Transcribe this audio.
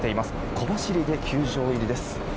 小走りで球場入りです。